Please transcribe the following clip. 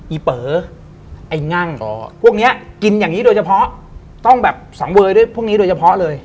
ีเป๋อไอ้งั่งพวกนี้กินอย่างนี้โดยเฉพาะต้องแบบสังเวยด้วยพวกนี้โดยเฉพาะเลย